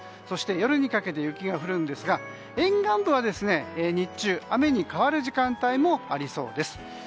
そして、夜にかけて雪が降るんですが沿岸部は日中雨に変わる時間帯もありそうです。